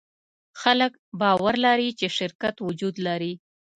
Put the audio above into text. خلک باور لري، چې شرکت وجود لري.